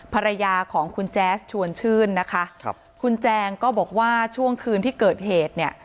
ภรรยาของคุณแจ๊สชวนชื่นนะคะครับคุณแจงก็บอกว่าช่วงคืนที่เกิดเหตุเนี่ย